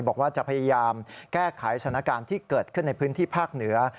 บอกว่าจะพยายามแก้ไขสถานการณ์ที่เกิดขึ้นในพื้นที่ภาคเหนือ